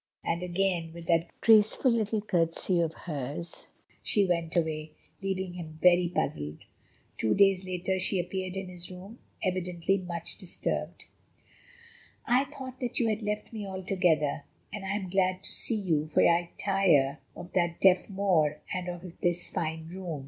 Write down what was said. And again with that graceful little curtsey of hers she went away, leaving him very puzzled. Two days later she appeared in his room, evidently much disturbed. "I thought that you had left me altogether, and I am glad to see you, for I tire of that deaf Moor and of this fine room.